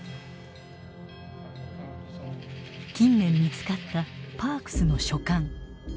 近年見つかったパークスの書簡。